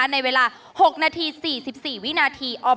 ในเวลา๖นาที๔๔วินาที